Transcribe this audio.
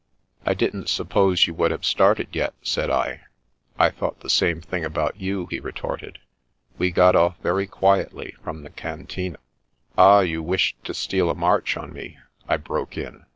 " I didn't suppose you would have started yet," said !•" I thought the same thing about you/' he re torted, " We got off very quietly from the Can tine " "Ah, you wished to steal a march on me," I broke in.